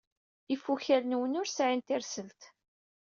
Ifukal-nwen ur sɛin tirselt.